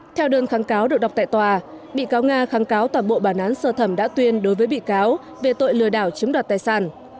theo đơn kháng cáo được đọc tại tòa bị cáo nga kháng cáo toàn bộ bản án sơ thẩm đã tuyên đối với bị cáo về tội lừa đảo chiếm đoạt tài sản